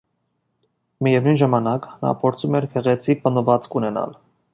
Միևնույն ժամանակ նա փորձում էր գեղեցիկ պատմվածք ունենալ։